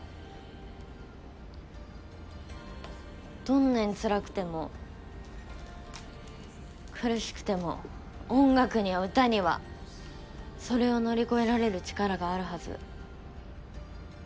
どんなにつらくても苦しくても音楽には歌にはそれを乗り越えられる力があるはず。